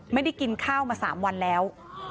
ไม่ได้กินข้าวมา๓วันแล้ว